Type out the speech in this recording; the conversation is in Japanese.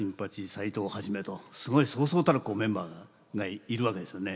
斎藤一とすごいそうそうたるメンバーがいるわけですよね。